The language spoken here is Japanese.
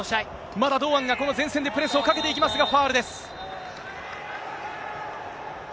まだ堂安がこの前線でプレスをかけていきますが、ファウルです。